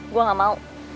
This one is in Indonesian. gue gak mau